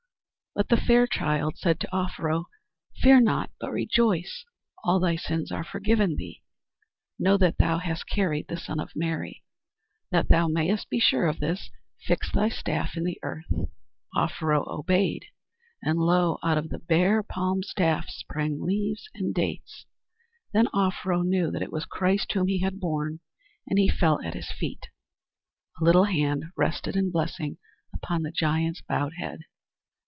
But the fair child said to Offero, "Fear not, but rejoice. All thy sins are forgiven thee. Know that thou hast carried the Son of Mary. That thou mayest be sure of this, fix thy staff in the earth." Offero obeyed, and lo! out of the bare palm staff sprang leaves and dates. Then Offero knew that it was Christ whom he had borne, and he fell at His feet. A little hand rested in blessing upon the giant's bowed head.